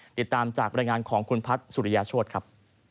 ติดตามจากบรรยายงานของคุณพัฒน์สุริยาโชธครับ